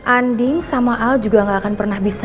andi sama al juga gak akan pernah bisa